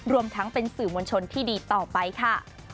รวมทั้งเป็นสื่อมวลชนที่ดีต่อไปค่ะ